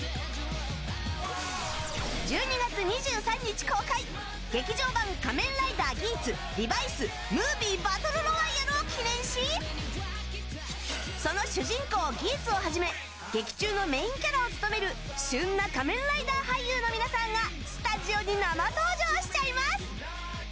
１２月２３日公開劇場版「仮面ライダーギーツ×リバイスＭＯＶＩＥバトルロワイヤル」を記念しその主人公ギーツをはじめ劇中のメインキャラを務める旬な「仮面ライダー」俳優の皆さんがスタジオに生登場しちゃいます。